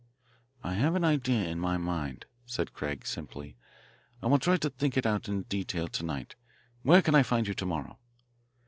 "I have an idea in my mind," said Craig simply. "I will try to think it out in detail to night. Where can I find you to morrow?"